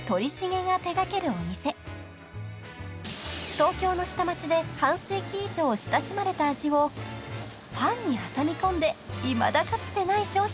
［東京の下町で半世紀以上親しまれた味をパンに挟み込んでいまだかつてない商品を開発］